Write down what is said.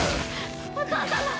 お父様！